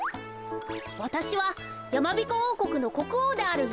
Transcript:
わたしはやまびこおうこくのこくおうであるぞ。